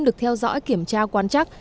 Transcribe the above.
được theo dõi kiểm tra quan chắc